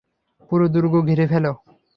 পুরো দূর্গ ঘিরে ফেলো!